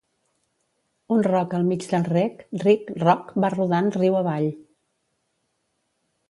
Un roc al mig del rec, ric, roc, va rodant riu avall.